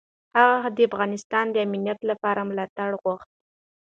هغه د افغانستان د امنیت لپاره ملاتړ غوښت.